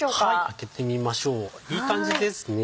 開けてみましょういい感じですね。